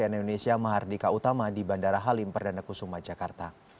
cnn indonesia mahardika utama di bandara halim perdana kusuma jakarta